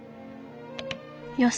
よし！